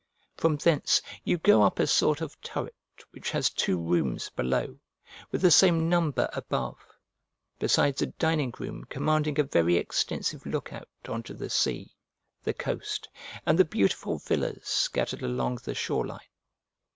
From thence you go up a sort of turret which has two rooms below, with the same number above, besides a dining room commanding a very extensive look out on to the sea, the coast, and the beautiful villas scattered along the shore line.